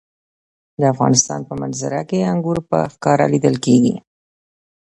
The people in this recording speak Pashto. د افغانستان په منظره کې انګور په ښکاره لیدل کېږي.